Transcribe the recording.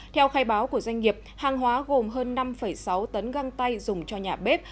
theo khai báo của doanh nghiệp hàng hóa gồm hơn năm sáu tấn găng tay dùng cho nhà bếp